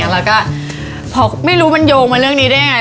แล้วก็พอไม่รู้มันโยงมาเรื่องนี้ได้ยังไง